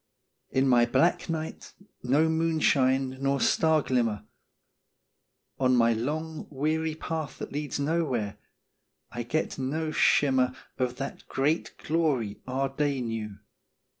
In my black night no moonshine nor star glimmer On my long, weary path that leads Nowhere I get no shimmer Of that great glory our day knew.